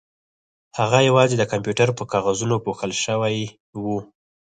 هغه یوازې د کمپیوټر په کاغذونو پوښل شوې وه